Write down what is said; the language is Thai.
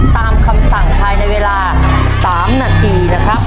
ตามคำสั่งภายในเวลา๓นาทีนะครับ